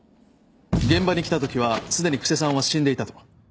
現場に来たときはすでに布施さんは死んでいたと。